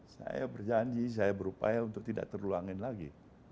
saya berjanji saya berupaya untuk tidak terluangin lagi